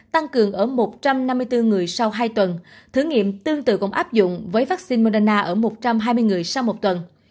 tăng cường ở một trăm năm mươi bốn người sau hai tuần thử nghiệm tương tự cũng áp dụng với vaccine modana ở một trăm hai mươi người sau một tuần